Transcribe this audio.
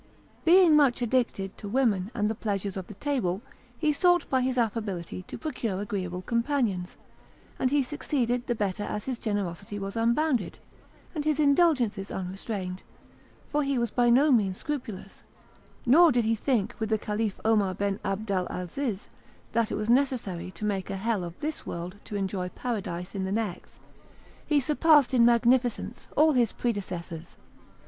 Being much addicted to women and the pleasures of the table, he sought by his affability to procure agreeable companions; and he succeeded the better as his generosity was unbounded, and his indulgences unrestrained, for he was by no means scrupulous, nor did he think with the Caliph Omar Ben Abdalaziz that it was necessary to make a hell of this world to enjoy Paradise in the next. He surpassed in magnificence all his predecessors.